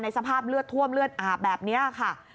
สภาพเลือดท่วมเลือดอาบแบบนี้ค่ะ